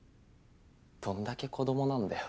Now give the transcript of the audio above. どんだけ子供なんだよ。